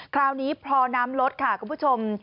คราวนี้พอน้ำลดค่ะคุณผู้ชม